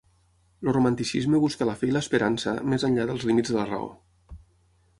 El romanticisme busca la fe i l'esperança més enllà dels límits de la Raó.